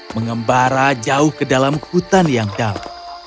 mengembara jauh ke dalam hutan yang dalam